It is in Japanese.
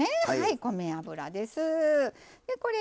米油です。